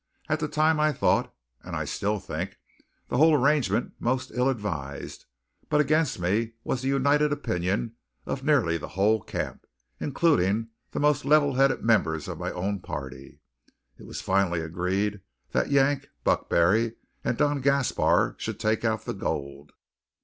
At the time I thought, and I still think, the whole arrangement most ill advised; but against me was the united opinion of nearly the whole camp, including the most level headed members of my own party. It was finally agreed that Yank, Buck Barry, and Don Gaspar should take out the gold.